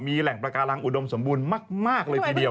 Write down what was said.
มีแหล่งประการังอุดมสมบูรณ์มากเลยทีเดียว